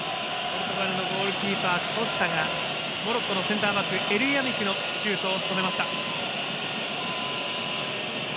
ポルトガルのゴールキーパー、コスタがモロッコのセンターバックエルヤミクのシュート止めました。